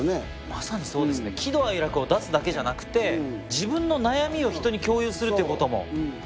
まさにそうですね喜怒哀楽を出すだけじゃなくて自分の悩みを人に共有するということも。